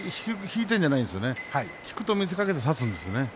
引くと見せかけて差すんですね。